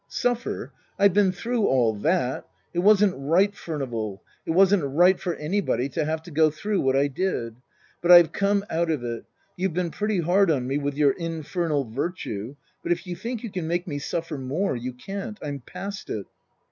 " Suffer ? I've been through all that. It wasn't right, Furnival, it wasn't right for anybody to have to go through what I did. But I've come out of it. You've been pretty hard on me with your infernal virtue ; but if you think you can make me suffer more, you can't. I'm past it."